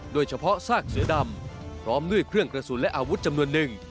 โดยเฉพาะซากเสือดำพร้อมด้วยเครื่องกระสุนและอาวุธจำนวนหนึ่ง